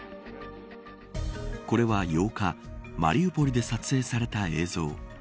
これは８日マリウポリで撮影された映像。